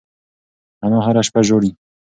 انا هره شپه ژاړي.